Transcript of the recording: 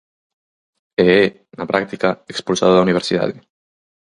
E é, na práctica, expulsado da Universidade.